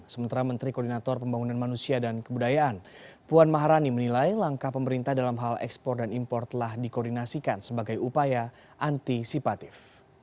sementara menteri koordinator pembangunan manusia dan kebudayaan puan maharani menilai langkah pemerintah dalam hal ekspor dan impor telah dikoordinasikan sebagai upaya antisipatif